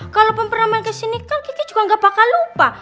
kalaupun pernah main kesini kan kiki juga nggak bakal lupa